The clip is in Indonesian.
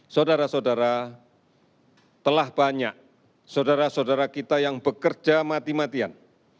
saudara saudara telah banyak saudara saudara kita yang bekerja mati matian